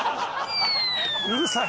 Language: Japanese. うるさい。